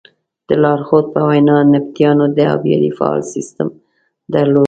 د لارښود په وینا نبطیانو د ابیارۍ فعال سیسټم درلود.